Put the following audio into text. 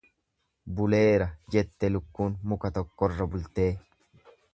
Buleera jette lukkuun muka tokkorra bultee.